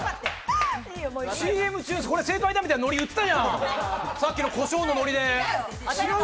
ＣＭ中にこれ正解だみたいな感じで言ったじゃん！